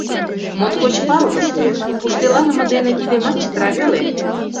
Моткоч палыме шуэш, пуштыланыме дене кидемат чытыра веле.